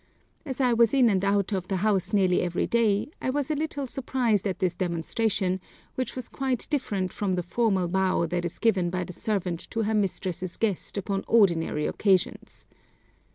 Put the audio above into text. As I was in and out of the house nearly every day, I was a little surprised at this demonstration, which was quite different from the formal bow that is given by the servant to her mistress's guest upon ordinary occasions.